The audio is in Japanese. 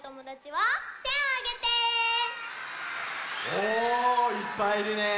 おいっぱいいるね。